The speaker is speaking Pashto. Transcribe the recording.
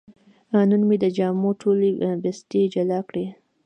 نن مې د جامو ټولې بستې جلا کړې.